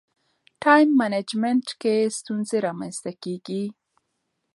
ټایم منجمنټ کې ستونزې رامنځته کېږي.